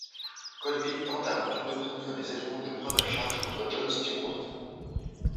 Colville tente avant tout d'obtenir des éléments de preuve à charge contre John Stewart.